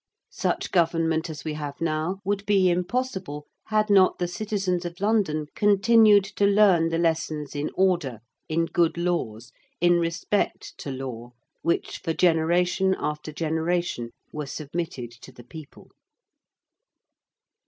Such government as we have now would be impossible had not the citizens of London continued to learn the lessons in order, in good laws, in respect to law, which for generation after generation were submitted to the people.